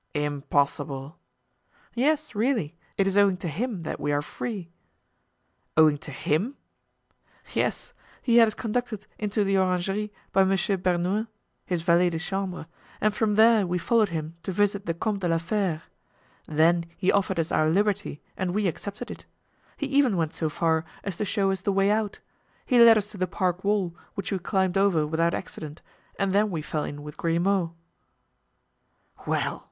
"Impossible!" "Yes, really; it is owing to him that we are free." "Owing to him?" "Yes, he had us conducted into the orangery by Monsieur Bernouin, his valet de chambre, and from there we followed him to visit the Comte de la Fere. Then he offered us our liberty and we accepted it. He even went so far as to show us the way out; he led us to the park wall, which we climbed over without accident, and then we fell in with Grimaud." "Well!"